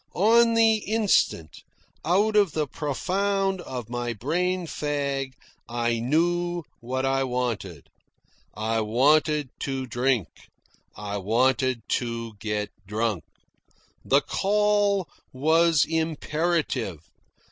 On the instant, out of the profound of my brain fag, I knew what I wanted. I wanted to drink. I wanted to get drunk. The call was imperative.